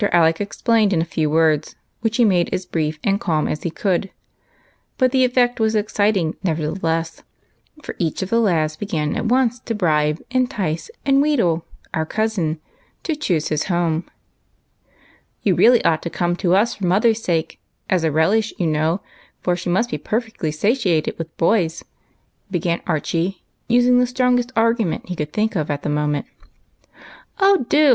Alec explained in a few words, which he made as brief and calm as he could ; but the effect was excit ing, nevertheless, for each of the lads began at once to bribe, entice, and wheedle " our cousin " to choose his home. " You really ought to come to us for mother's sake, as a relish, you know, for she must be perfectly satiated with boys," began Archie, using the strongest argu ment he could think of at the moment. WHICH f 289 " Oh, do